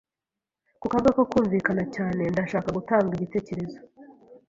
Ku kaga ko kumvikana cyane, ndashaka gutanga igitekerezo.